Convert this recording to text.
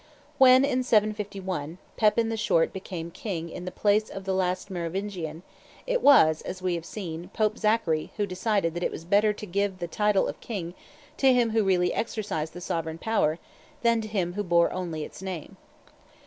When, in 751, Pepin the Short became king in the place of the last Merovingian, it was, as we have seen, Pope Zachary who decided that "it was better to give the title of king to him who really exercised the sovereign power than to him who bore only its name."